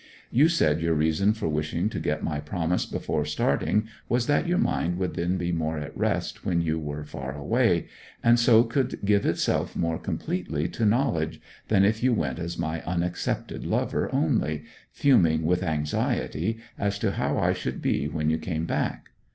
You said your reason for wishing to get my promise before starting was that your mind would then be more at rest when you were far away, and so could give itself more completely to knowledge than if you went as my unaccepted lover only, fuming with anxiety as to how I should be when you came back.